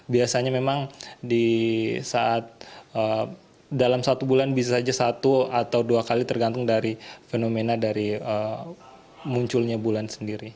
biasanya memang di saat dalam satu bulan bisa saja satu atau dua kali tergantung dari fenomena dari munculnya bulan sendiri